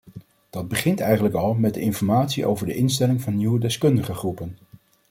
Dat begint eigenlijk al met de informatie over de instelling van nieuwe deskundigengroepen.